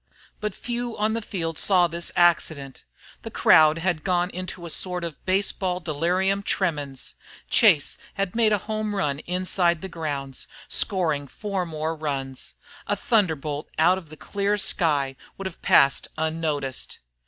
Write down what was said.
But few on the field saw this accident. The crowd had gone into a sort of baseball delirium tremens. Chase had made a home run inside the grounds, scoring four more runs! A thunderbolt out of the clear sky would have passed unnoticed.